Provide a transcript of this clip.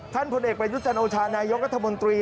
ผลเอกประยุจันโอชานายกรัฐมนตรี